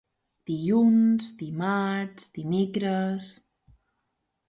Dilluns, dimarts, dimecres...